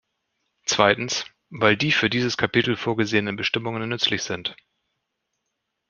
Zweitens, weil die für dieses Kapitel vorgesehenen Bestimmungen nützlich sind.